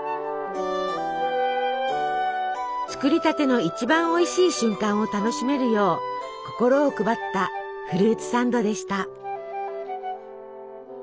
作りたての一番おいしい瞬間を楽しめるよう心を配ったフルーツサンドでした。